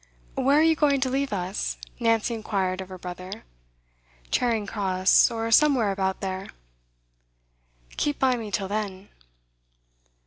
'Where are you going to leave us?' Nancy inquired of her brother. 'Charing Cross, or somewhere about there.' 'Keep by me till then.